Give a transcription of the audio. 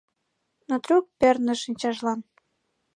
Но трук перныш шинчажлан: